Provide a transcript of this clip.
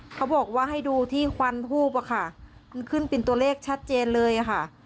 เขาบอกว่าให้ดูที่ควันทูบอะค่ะมันขึ้นเป็นตัวเลขชัดเจนเลยค่ะ